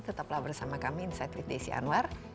tetaplah bersama kami insight with desi anwar